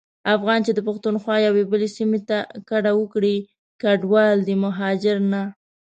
افغان چي د پښتونخوا یوې بلي سيمي ته کډه وکړي کډوال دی مهاجر نه.